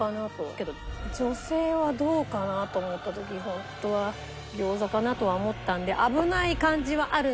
けど女性はどうかなと思った時ホントは餃子かなとは思ったんで危ない感じはあるので。